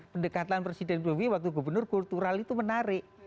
pendekatan presiden jokowi waktu gubernur kultural itu menarik